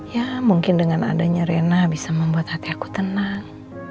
ya mungkin dengan adanya rena bisa membuat hati aku tenang